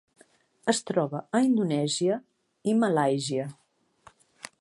Es troba a Indonèsia i Malàisia.